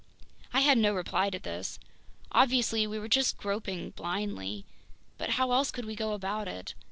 I had no reply to this. Obviously we were just groping blindly. But how else could we go about it?